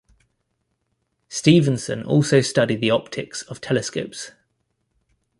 Steavenson also studied the optics of telescopes.